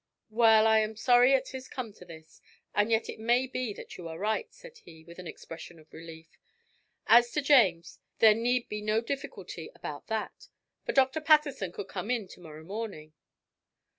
"Well, I am sorry it has come to this, and yet it may be that you are right," said he, with an expression of relief; "as to James, there need be no difficulty about that, for Dr. Patterson could come in tomorrow morning."